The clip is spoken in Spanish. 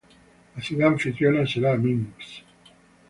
La ciudad anfitriona será Minsk.